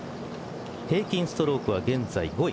平均ストロークは現在５位。